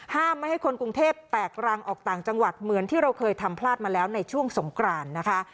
ไม่ให้คนกรุงเทพแตกรังออกต่างจังหวัดเหมือนที่เราเคยทำพลาดมาแล้วในช่วงสงกรานนะคะ